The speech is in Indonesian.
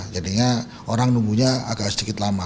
jadinya orang nunggunya agak sedikit lama